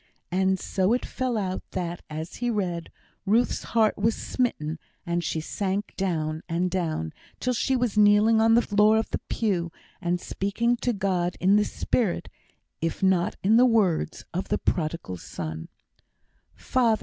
And so it fell out that, as he read, Ruth's heart was smitten, and she sank down, and down, till she was kneeling on the floor of the pew, and speaking to God in the spirit, if not in the words, of the Prodigal Son: "Father!